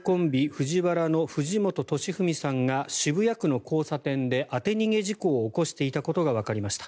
ＦＵＪＩＷＡＲＡの藤本敏史さんが渋谷区の交差点で当て逃げ事故を起こしていたことがわかりました。